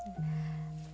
keluarga seperti mbak landep